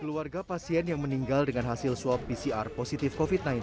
keluarga pasien yang meninggal dengan hasil swab pcr positif covid sembilan belas